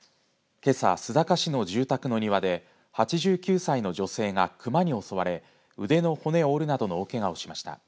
けさ、須坂市の住宅の庭で８９歳の女性がクマに襲われ腕の骨を折るなどの大けがをしました。